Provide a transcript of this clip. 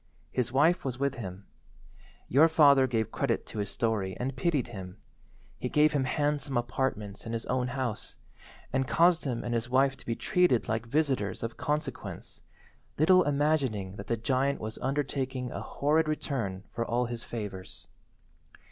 His wife was with him. Your father gave credit to his story and pitied him. He gave him handsome apartments in his own house, and caused him and his wife to be treated like visitors of consequence, little imagining that the giant was undertaking a horrid return for all his favours.